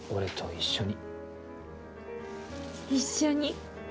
一緒に。